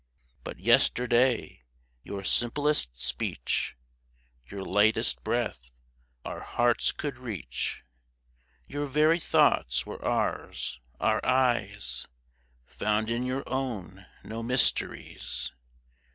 But yesterday your simplest speech, Your lightest breath, our hearts could reach ; Your very thoughts were ours. Our eyes Found in your own no mysteries.